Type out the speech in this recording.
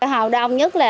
hầu đông nhất là